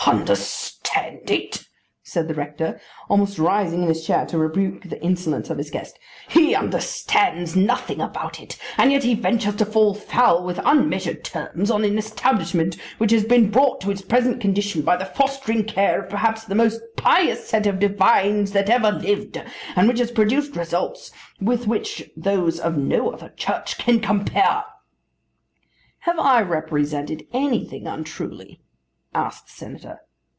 "Understand it!" said the rector, almost rising in his chair to rebuke the insolence of his guest "He understands nothing about it, and yet he ventures to fall foul with unmeasured terms on an establishment which has been brought to its present condition by the fostering care of perhaps the most pious set of divines that ever lived, and which has produced results with which those of no other Church can compare!" "Have I represented anything untruly?" asked the Senator.